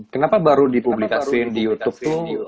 kenapa baru dipublikasiin di youtube tuh